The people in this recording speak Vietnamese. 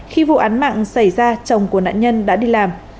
khi vụ án mạng xảy ra chồng của nạn nhân đã đi làm